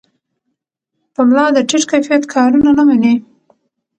پملا د ټیټ کیفیت کارونه نه مني.